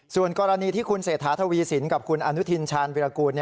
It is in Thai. ส่วนกรณีที่คุณเศรษฐาทวีสินกับคุณอนุทินชาญวิรากูล